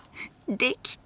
できた。